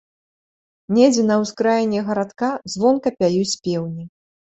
Недзе на ўскраіне гарадка звонка пяюць пеўні.